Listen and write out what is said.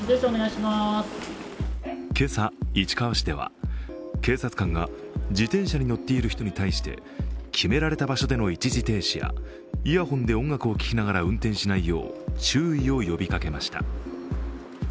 今朝、市川市では警察官が自転車に乗っている人に対して決められた場所での一時停止やイヤホンで音楽を聴きながら運転しないよう注意を呼びかけました。